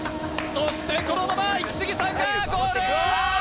そしてこのままイキスギさんがゴール！